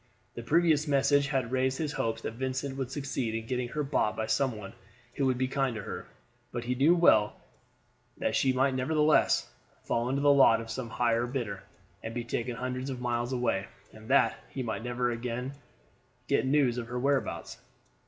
The previous message had raised his hopes that Vincent would succeed in getting her bought by some one who would be kind to her, but he knew well that she might nevertheless fall to the lot of some higher bidder and be taken hundreds of miles away, and that he might never again get news of her whereabouts.